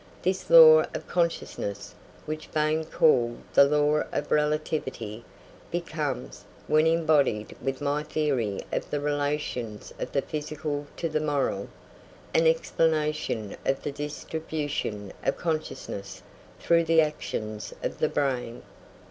This law of consciousness, which Bain called the law of relativity, becomes, when embodied with my theory of the relations of the physical to the moral, an explanation of the distribution of consciousness through the actions of the brain.